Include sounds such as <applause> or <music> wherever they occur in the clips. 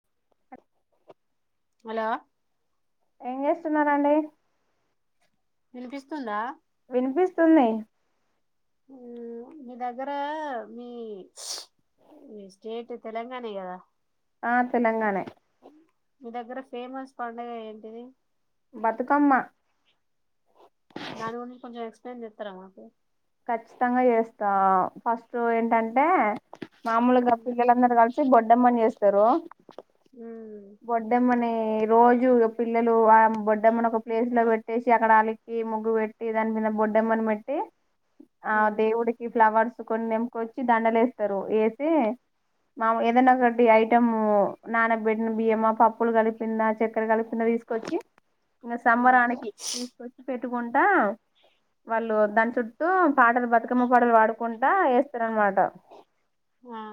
<inaudible> Hello ఏం చేస్తున్నారాండి. వినిపిస్తుందా. వినిపిస్తుంది. ఆ మీ దగ్గర మీ స్టేట్ తెలంగాణే కదా. ఆ తెలంగాణే మీ దగ్గర ఫేమస్ పండగ ఏంటిది. బతుకమ్మా దాని గురించి కొంచెం ఎక్స్ప్లెయిన్ చేత్తారా మాకు. ఖచ్చితంగా చేస్తా ఫస్ట్ ఏంటంటే మాముూలుగా పిల్లందరు కలిసి బొట్ అడమ్మణ వేస్తారు ఉమ్ వడ్డమ్మనే రోజు పిల్లలు ఆ బొడ్డమ్మను ఒక ప్లేస్ లో పెట్టేసి. అక్కడ అలికి ముగ్గు పెట్టి దాని మీద బొడ్డమ్మని పెట్టి. ఆ ఉమ్ దేవుడికి ఫ్లవర్స్ కొన్ని తెంపుకొచ్చి దండలు వేస్తారు. వేసే మా ఏదైనా ఒకటి ఐటం నానబెట్టిన బియ్యమా, పప్పులు కలిపిందా, చక్కెర కలిపిందా, తీసుకొచ్చి. ఇంక ఉమ్ సంబరానికి తీసుకొచ్చి పె చుట్టుకుంటా వాళ్ళు దాని చుట్టూ తూ పాటలు బతుకమ్మ పాటలు పాడుకుంటా వేస్తారనమాట. ఆ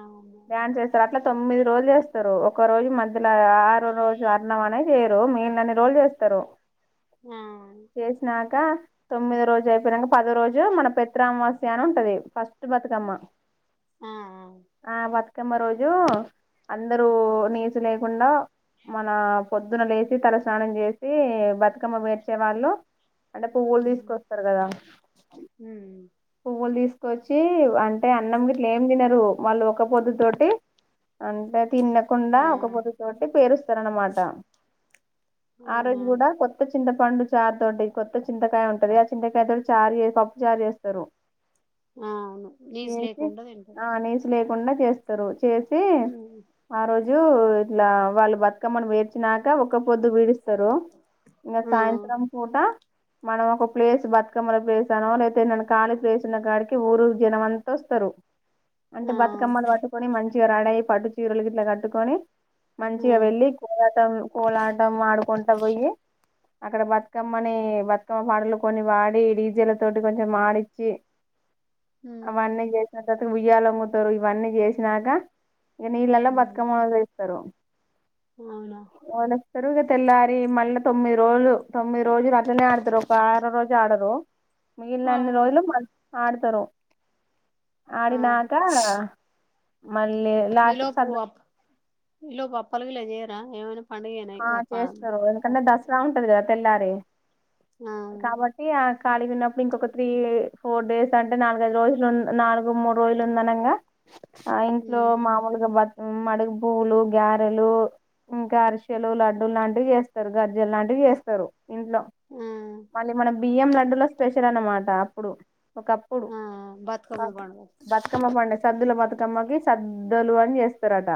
డ్యాన్స్ చేస్తారు. అట్లా తొమ్మిది రోజులు చేస్తారు. ఒక రోజు మధ్యలో ఆరు రోజు అర్ణం అనేది చేయరు మిగిలిన్ని రోజులు చేస్తారు. ఆ చేసినా కా తొమ్మిది రోజు అయిపోయినాక పదో రోజు మన ప పెత్ర అమావాస్య అని ఉంటది ఫస్ట్ బతుకమ్మా ఆ ఆ బతుకమ్మ రోజు అందరూ నీసు లేకుండా మన పొద్దున లేచి తలస్నానం చేసి బతుకమ్మ పెట్టే వాళ్ళు అంటే పువ్వులు ఉమ్ తీసుకొస్తారు కదా ఉమ్ పూలు తీసుకొచ్చి అంటే అన్నం గిట్ల ఏం తినరు వాళ్ళు ఒక పొద్దు తోటి అంటే తినకుండా ఆ ఒక పొద్దు తోటి పేరుస్తార అనమాట ఆ రోజు అవునా కూడా కొత్త చింత పండు చార్తోటి కొత్త చింతకాయ ఉంటది ఆ చింతకాయతో చారు చేసి పప్పు చారు చేస్తారు తరు ఆ అవును నీసు లేకుండా తింటారు కుండా చేస్తారు చేసి ఉమ్ ఆ రోజు ఇట్లా వాళ్ళు బతుకమ్మని వే వచ్చినాక ఒక పొద్దు వీడిస్తారు ఇంకా ఆ సాయంత్రం పూట మనం ఒక ప్లేస్ బతుకమ్మల ప్లేస్ అనవ అయితేన కాళికేసిన కాడికి ఊరు జనంమంతా వస్తారు అంటే ఆ బతుకమ్మలు పట్టుకొని మంచి చీర అదేయి పట్టు చీరలు ఇట్లా కట్టుకొని ఆ మంచిగా వెళ్ళి కూ కోలాటం ఆడుకుంట పోయి అక్కడ బతుకమ్మని బతుకమ్మ పాటలు కొన్ని వాడి డీజేల తోటి కొంచెం మాడి పంచి అవి ఉమ్ అన్ని చేసిన ఉయ్యాలొంగుతారు ఇవన్నీ చేసినాక ఇక నీళ్ళెలా ఉమ్ బతుకమ్మ వేస్తారు అవునా తరువుగు తెల్లారి మళ్ళీ తొమ్మిది రోజులు తొమ్మిది రోజులు అట్నే ఆడతారు ఒక ఆరో రోజు ఆడరు మిగిలిన ఆ అన్ని రోజులు ఆడతారు ఆహా ఆడినాక మళ్ళీ లాస్ట్ స ఈలోపు అప్పలికి ఇలా చేయరా ఏమైనా పండుగేనా ఆ ఇగ ప చేస్తారు ప ఎందుకంటే దసరా ఉంటది తెల్లారే ఆ కాబట్టి ఆ ఖాళీ గున్నప్పుడు ఇంకొక త్రీ, ఫోర్ డేస్ అంటే నాలుగైదు రోజులు, నాలుగు, మూడు రోజులు ఉంది. అనంగా ఆ ఇంట్లో ఉమ్ మామూలుగా బట్ మడుగు పువ్లు గారెలు ఇంకా అరిస్ చెలువు లడ్డూ లాంటివి చేస్తరు గజ్జెలు లాంటివి చేస్తరు ఇంట్లో ఆ మళ్ళీ మనం బియ్యం లడ్డూలో స్పెషల్ అనమాట అప్పుడు ఒకప్పుడు ఆ బతుకమ్మ పండుగ బతుకమ్మ పండుగ సద్దుల బతుకమ్మకి సద్దలు అని చేస్తారట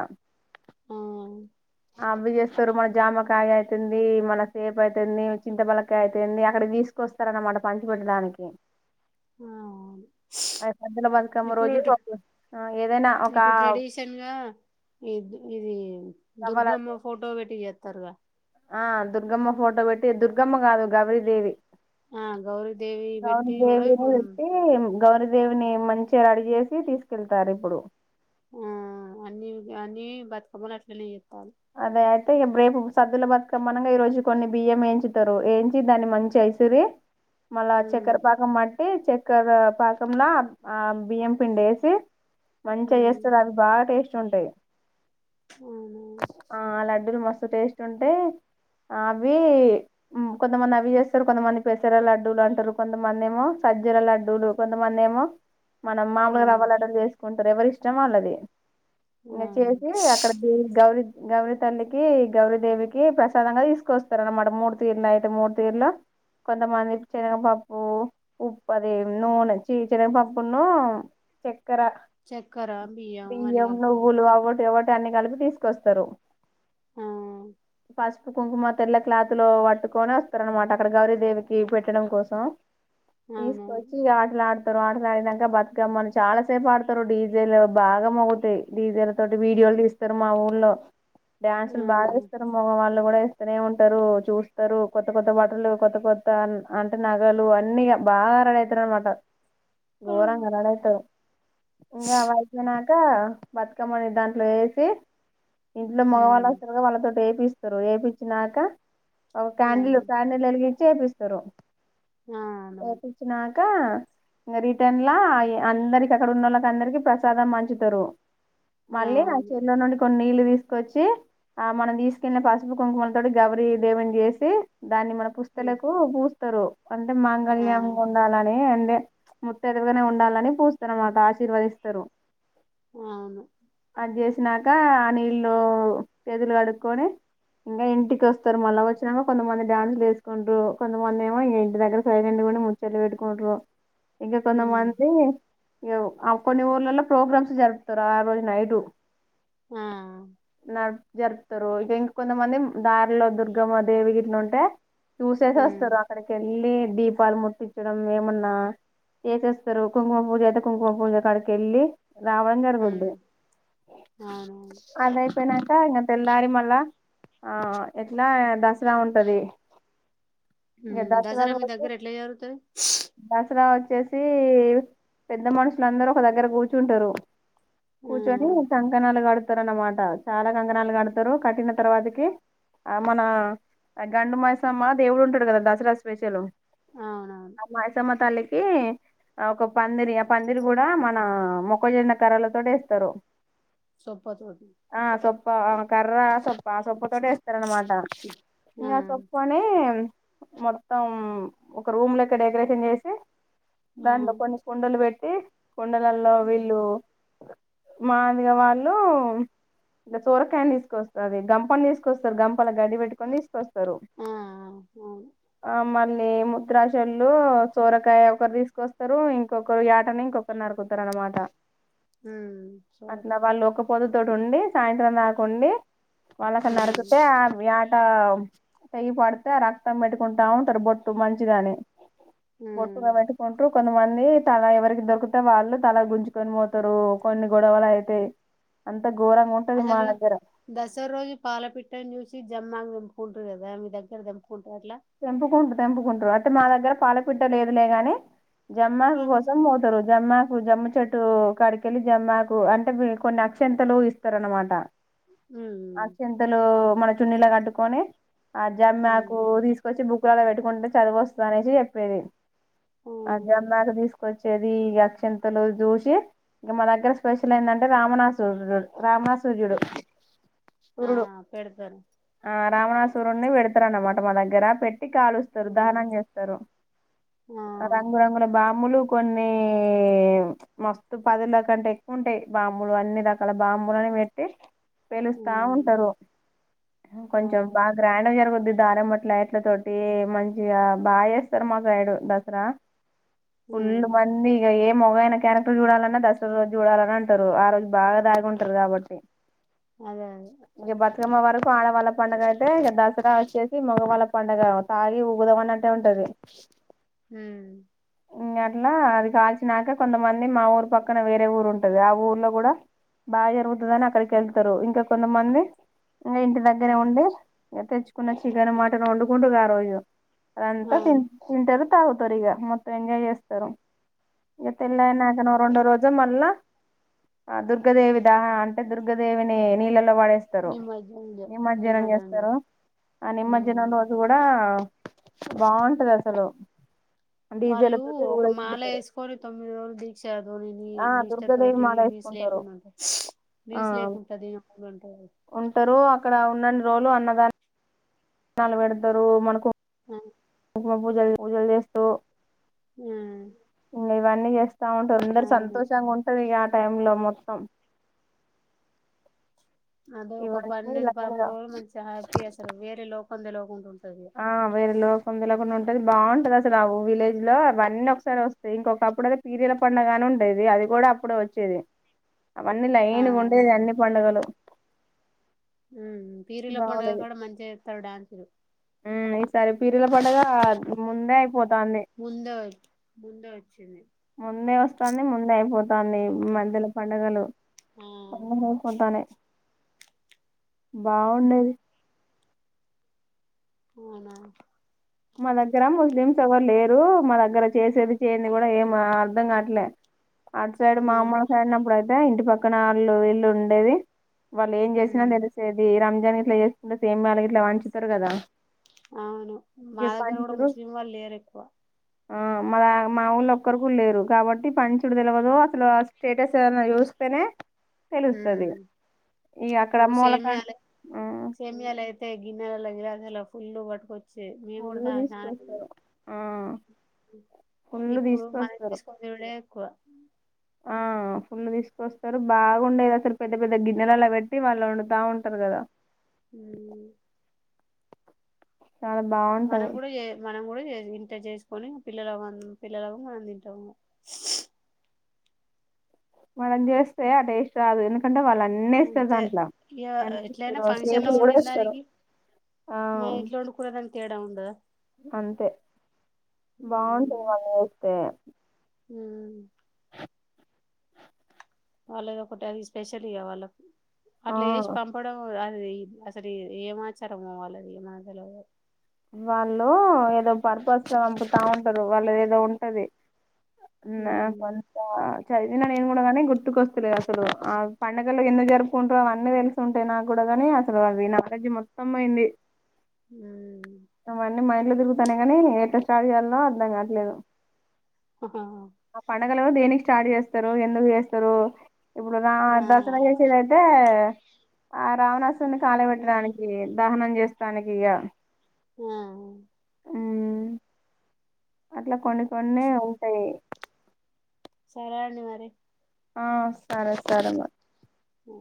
ఆ ఆవి చేస్తారు మన జామకాయ అయితుంది మన సేపు అయితుంది చింతపలక్కాయ్ తేన్ని అక్కడికి తీసుకొస్తారనమాట పంచి పెట్టడానికి ఆ అవును ఆ సద్దుల బతుకమ్మ రోజు ఇప్పుడోట, ఆ ఏదైనా ఒక ఇప్పుడు ట్రెడిషన్ గా ఇద్ ఇది రవ్వల దుర్గమ్మ ఫోటో వెట్ ఇవి యేత్తారుగా ఆ దుర్గమ్మ ఫోటో పెట్టి దుర్గమ్మ కాదు గౌరీ దేవి ఆ గౌరీ దేవి భెట్టి కూడా ఇప్పుడుం పెట్టి గౌరీదేవిని మంచిగ రెడీ చేేసి తీసుకెళ్తారు ఇప్పుడు ఆ అన్ని అన్నీ బతుకమ్మలను అట్లనే చేత్తాలు అదే తే ఇగ బ్రే పు సద్దుల బతుకమ్మ అనంగా ఈ రోజు కొన్ని బియ్యం వేయించుతారు వేయించి దాన్ని మంచిగా ఇసిరి మళ్ళా ఉమ్ చెక్కరపాకం మ తే చెక్కరపాకంలో ఆ బియ్యం పిండి వేసి మంచిగా ఉమ్ చేస్తరు అది బాగా టేస్ట్ చుంటయ్ గా అవునా డ్డులు మస్తు టేస్ట్ ఉంటే అవి మ్మ్ కొంతమంది అవి చేస్తారు. కొంతమంది పెసర లడ్డూలు అంటరు, కొంతమంది ఏమో సజ్జల లడ్డూలు, కొంతమంది ఏమో మనం మాములుగా ఉమ్ రవ్వాలడ్డలు చేసుకుం త రెవరిష్టం వాళ్ళది ఆ ఇంగ చేసి అక్కడ దేవి గౌరీ గౌరి తల్లికి గౌరీ దేవికి ప్రసాదంగా తీసుకొస్తారన్నమాట. మూడు తీరులో అయితే మూడుతీరులో కొంతమంది శెనగపప్పు, ఉప్పు అది నూనె ఛీ శెనగపప్పు ను చె క్కరా చక్కెర అన్ని బియ్యం కలుపుకొని నువ్వులు అవోటి అవోటి దాన్ని కలిపి తీసుకొస్ స్తరు ఆ పసుపు కుంకుమ తెల్ల క్లాతులు వట్టుకొని వస్తారనమాట అక్కడ గౌరీదేవికి పెట్టడం కోసం అవునవును తీసుకొచ్చిగా ఆట్లాడు అసలు ఆటలాడినంక బతుకమ్మని చాలా సేపు ఆదూతరు డీజెలు బాగా మేగుతాయి. డీజెలు తోటి వీడియోలు తీస్తారు మావొళ్ళు. ఉల్లో డ్యాన్సులు బాగా ఆ చేస్తారు. మొగ వాళ్ళు కూడా అత్తనే ఉంటారు చూస్తారు. కొత్త కొత్త బట్టలు కొత్త కొత్త అంటే నగలు అన్ని బాగా రడి అయితారు అన్నమాట హ్మ్ ఘోరంగా రడైతరూ ఇంగ అవి అయిపోయి నంక బతుకమ్మని దాంట్లో ఏసి ఇంట్ల మగవాళ్ళు హ్మ్ ఆస్తరూగా వాళ్ళతోటి ఎపిస్తే రు వేపిచ్చినాక అ క్యాండిల్ క్యాండిల్ ఎలిగిం చేపిస్తారు. ఆ నౌను కా రిటర్న్ లా అందరికి అక్కడ ఉన్న వాళ్ళకి అందరికి ప్రసాదం పంచుతరు మళ్ళీ ఆ అవును చెరులో నుండి కొన్ని నీళ్ళు తీసుకొచ్చి ఆ మనం తీసుకెన్న పసుపు కుంకుమల తోటి గౌరి దేవుని జేసి దాన్ని మన హ్మ్ పుస్తులకు బూ తరు అంటే ఆ మాంగళ్యాం ఉండాలని మోత్త ఎదుగానే ఉండాలని పూస్తరు మాట ఆశీర్వదిస్తరు అవును జేసినాక అనీ విళ్ళు చేతులు కడుక్కోని ఇంగా ఇంటికి ఓస్తారు మళ్ళా వచ్చినంక కొంతమంది డ్యాన్సులు చేసుకుంటర్రూ కొంతమంది. ఏమో ఇగా ఇంటి దగ్గర సైలంటుగా ఉండి ముచ్చలు పెట్టుకుంట్రు ఇంకా కొంత హ్మ్ మంది. ఇగ ఆ కొన్ని ఊర్లలో ప్రోగ్రామ్స్ జరుపుతారు. ఆ రోజు నైట్ ఆ జరు జరుపుతారు. ఇగా ఇంక కొంతమంది దారిలో దుర్గమ్మ దేవి గిట్ల ఉంటే చూసేసి హ్మ్ వస్తరు అక్కడికి వెళ్ళి దీపాలు ముట్తించడం ఏమన్నా చేసేస్తరు కుంకుమ పూజ అయితే కుంకుమ పూజక్కడికి వెళ్ళి రావణ్ గార్ హ్మ్ గోడ్డు అవునవును అదయిపోయినాక ఇంకా తెల్లారి మళ్ళా ఆ ఎట్లా దసరా ఉంటది ఇక హమ్ దసరా మీ రోజు దగ్గర ఎట్ల జరుగుతది దసరా వచ్చేసి పెద్ద మనుషులందరూ ఒక దగ్గర కూర్చుంటారు కూర్చొని హ్మ్ కంకనాలుగడ్ తారునమాట చాలా కంగనాలు కడతారు కట్టిన తర్వాతకి ఆ మన గండు మాయసమ్మ దేవుడు ఉంటడు కదా దసరా స్పెషల్ అవునవును అమాస మ తల్లికి ఒక పందిరి ఆ పందిరి కూడా మన మొక్కజొన్న కర్రల తో జెస్తరు సొపత వడ్ కర్ర సోబ్బా సోబ్ తోటేస్తరనమాట ఆ ఇంకా సొప్పునే మొత్తం ఒక రూమ్ లక్క డెకరేషన్ చేసి ఆ దండ కొన్ని కుండలు పెట్ కుండలల్లో వీళ్ళు మాదిగ వాళ్ళు ఇంకా సోరకాయని తీసుకొస్తరు అది గంపని తీసుకొస్తారు గంపలా గడ్డి పెట్టుకొని స్తరు ఆ అవును ఆ మళ్ళీ ముద్రాచల్లు చోరకాయ ఒకరు తీసుకొస్తరు ఇంకొకరు యటని ఇంకొకరు నరుకుతరు అనమాట హమ్ సోక ప <inaudible> తోటి ఉండి సాయంత్రం దాకండి వాళ్ళకు హ్మ్ నరికితే <inaudible> ఇట్ట చెయ్యి పడితే ఆ రక్తం పెట్టుకుంటా ఉంటారు బొట్టు మంచిదని బొట్టు హ్మ్ గాబట్టి పెట్రు కొంత మంది <inaudible> తల ఎవరికి దొరికితే వాళ్ళు తల గుంజుకొని పోతారు కొన్ని గొడవలు అయితే అంత్ అసలు దసరా రోజు పాలపిట్టను చూసి జమ్మాన్ గ్ం కూం <inaudible> టదా మీ దగ్గర కుంటాయి అట్ల తెంపుకుంటు తెంపుకుంటారు అంటే మా దగ్గర పాలపిట్ట లేదులే గాని జమ్మాకు హ్మ్ కోసం ఒకటో రోజు జమ్మాకు జమ్ము చెట్టు కడికెళ్ళి జమ్మాకు అంటే కొన్ని అక్షంతలు ఇస్తారు అనమాట హ్మ్ ఆక్షింతలు మన చున్నీలే కట్టుకొని ఆ జమ్మె కు తీసు వచ్చి బుక్ అలా పెట్టుకుంటే చదివెస్తరని అనేసి చెప్పేది ఆ హ్మ్ జమ్మి ఆకు తీసుకొచ్చి అది ఇక అక్షంతలు చూసి ఇంకా మా దగ్గర స్పెషల్ ఏందంటే రామనాసుర కద రావణాసురుడు ఆ చూడు పెడతారు రామణాసురున్ని పెడుతారు అన్నమాట మా దగ్గర ట్టి కాలుస్తారు ఉమ్ దహనం చేస్తారు ఆ రంగురంగుల బాణ బాంబులు కొన్ని మస్తు పదుల కంటే ఎక్కువ ఉంటాయి బాంబులు అన్ని రకాల బాంబులను పెట్టి పేలుస్తా ఉమ్ ఉంటారు ఆ కొంచెం బాగా గ్రాండ్ జరగుద్ది దారాం కట్లాయిట్ ఇ తోటి మంచిగా బాగా చేస్తారు మాసైడు దసరా ఫుల్ ఉమ్ మందిగా ఏ మగన్ని క్యారెక్టర్ చూడాలన్నా దసరా రోజు చూడాలని అంటారు ఆ రోజు బాగా దాగి ఉంటారు కాబట్టి అదే అదే ఇక వరకు ఆడవాళ్ళ పండగ అయితే ఇ దసరా వచ్చేసి మగవాళ్ళ పండగ తాగి ఊగుదాం అని అంట ఉంటారు హ్మ్ ఇంకా అట్లా అది కాల్చినాక కొంతమంది మా ఊరు పక్కన వేరే ఊరు ఉంటది ఆ ఊర్లో కూడా బాగా జరుగుతుందిని అక్కడికి వెళ్తారు ఇంకా కొంతమంది ఇంగ ఇంటి దగ్గరే ఉమ్ ఉండడి ఇక తెచ్చుకున్నా చికెన్ మట ఇంగ వండకుంటారు ఆరోజు ఇక అదంత తిన్ అవును తింటారు. తాగుతారు ఇగ మొత్తం ఎంజాయ్ చేస్తారు. ఇక ఆ తెల్లారినాకనో రెండో రోజు మళ్ళా ఆ దుర్గదేవి దహనం అంటే దుర్గాదేవిని నీళ్ళ ల్లో వడేస్తారు నిమజ్జనం జ నిమజ్జనం జ చేస్తారు ఆ నిమజ్జ ఉమ్ నమ్ రోజు కూడా బాగుంటదసలు వాళ్ళు ఒక మాల వేసుకొని తొమ్మిది రోజులు దీక్షతోని ఆ నిష్ట దుర్గాదేవి తోటి మాల నీస్ వేసుకుంటారు లేకుండ ఉంటరు. ఆ నీస్ లేకుండ పది దినాలుంటరు. ఉంటారు అక్కడ ఉన్నని రోజులు అన్నదాన దానాలు పెడతారు మనకు అ ఇల్లు కడిగి పూజలు చేస్తారు. వున మన్న ఎస్త కాబట్టి అందరు సంతోషాంగుంటరు ఇగ టైంలో మొత్తం అదే ఒక ఇవన్నీ పన్నెండు లైన్ గా పదమూడు రోజులు మంచిగా హ్యాపీ చేస్తారు వేరే లో కొందేలో ఉంటుంది. ఆ వేరోలొ కుందొల గున్నద్ ది బాగుంటది అసలుఆ విలేజ్ లో అవన్నీ ఒకసారి వస్తాయి ఇంకొకప్పుడుతే పీర్ల పండుగని ఉంటది అది కూడా అప్పుడే వచ్చేది. అవన్నీ ఆ లైన్గా ఉండేది అన్ని పండుగలు ఊ పీరుల పండుగ బాగుండేది కూడా మంచిగా ఎస్తారు డ్యాన్సులు ఈ సారి పీర్ల పండగా ముందే అయిపోత ముందే వ ముందే వచ్చింది. ముందే వస్తంది ముందే అయిపో పోతాంది. ఈ మధ్యలో పండుగలు ఆ అయిపోతానే బాగుండేది. అవునా మా దగ్గర ముస్లిమ్స్ ఎవరు లేరు మా దగ్గర చేసేది చేయంది కూడా ఏం అర్ధం కావట్లే. ఆటు సైడ్ మా ఉమ్ ఆమ్మ సైడ్ నప్పుడయి దా ఇంటి పక్కన ఆళ్ళు వీళ్లు ఉండేవి వాళ్ళు ఏం జేసినా దెలిసేది రం <unintelligible> ఇట్లా చేస్తుకుంటే సేమ్యాలు గిట్లా వాంచుతారు గదా. అవును మా దగ్గర కూడా ముస్లిం వాళ్ళు లేరు ఎక్కువ ఆ మా మా ఊళ్ళ ఒక్కరు కూడ లేరు కాబట్టి పంచుడు తెలివదు అసలు స్టేటస్ ఏదైనా చూస్తేనే తెలుస్తది ఉమ్ ఇగ అక్కడ ఓ అమ్మోలకాడ సేమియాలే ఊ <unintelligible> ఫుల్ పట్టుకొచ్చి మేము ఫుల్లు కూడా <inaudible> తీసుకొస్తారు ఆ ఫుల్లు ఇప్పుడు మనం తీసుకొస్తారు తీసుకున్నడే ఎక్కువ ఆ ఫుల్లు తీసుకొస్తారు బాగుండేది అసలు పెద్ద పెద్ద గిన్నెలలొ పెట్టి వాళ్ళు వండుతా ఉంటారు కదా ఉమ్ చాలా బాగుంటది మనము గూడ చె ఇంట చేసుకొని పిల్లలకు వం పిల్లలకు మన తింటాము మనం జేస్తే ఆ టేస్ట్ రాదు ఎందుకంటే వల అన్నీఏస్తారు అంతే దాంట్లో ఇగ ఎట్లయినా కన్నేస్తరు ఫంక్షన్ లో సేపులు కూడా వండిన ఏస్తారు దానికి ఆ మన ఇంట్లో వండుకునే దానికి తేడా ఉండదా అంతే బాగుంటుంది వాళ్లు చేస్తే ఉ వాళ్ళది ఒకటి అది స్పెషల్ ఇగా వాళ్ళ ఆ అట్లా ఏస్ పంపడము గాదు అది అసలు ఏమాచారమొ వాల్లది నాకి తెల్వదు వాళ్ళు ఏదో పర్పస్ తో పంపుతా ఉంటారు వాళ్ళది ఏదో ఉంటది నా ఉమ్, కొంత చ ఇన్నా నేను కూడా గాని గుర్తుకొస్తలే అసలు ఆ పండుగలు ఎందుకు జరుపుకుంటారో అవన్నీ తెలిసి ఉంటాయి నాకు కూడా గాని అసలు అ ఈ నాలెడ్జ్ మొత్తం పొయింది ఊ అవన్ని మైండ్ లో తిరుగు సనే గాని ఎక్కడ స్టార్ట్ చేయాల్నో అర్దం కావట్లేదు అహా ఆ పండగలు దేనికి స్టార్ట్ చేస్తారో ఎందుకు చేస్తారో ఇప్పుడు నా ఆ దసరా చేసేదైతే ఆ రావణాస్ సున్ని కాళ పెట్టడానికి దహనం చేస్తాని కిగా ఆ అట్లా కొన్ని కొన్ని ఉంటాయ్ సరే అండి మరి ఆ సరే సరే మరి అఓ